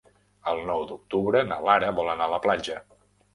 El nou d'octubre na Lara vol anar a la platja.